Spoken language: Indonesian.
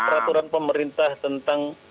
memang peraturan pemerintah tentang